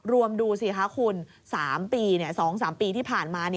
ดูสิคะคุณ๓ปี๒๓ปีที่ผ่านมา